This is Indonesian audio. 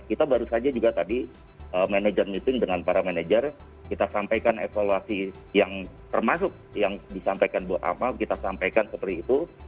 kita baru saja juga tadi manajer meeting dengan para manajer kita sampaikan evaluasi yang termasuk yang disampaikan bu amal kita sampaikan seperti itu